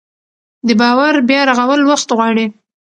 د باور بیا رغول وخت غواړي